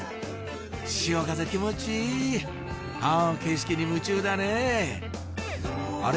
潮風気持ちいい青の景色に夢中だねあれ？